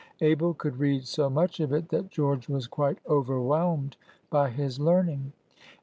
Abel could read so much of it that George was quite overwhelmed by his learning.